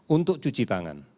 untuk cuci tangan